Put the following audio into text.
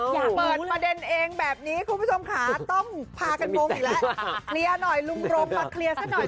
อยากเปิดประเด็นเองแบบนี้คุณผู้ชมขาต้องพากันมงอีกแล้วลุงรงมาเคลียร์สักหน่อย